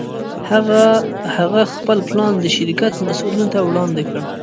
هغه خپل پلان د شرکت مسوولينو ته وړاندې کړ.